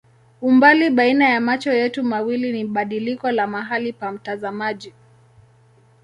Umbali baina ya macho yetu mawili ni badiliko la mahali pa mtazamaji.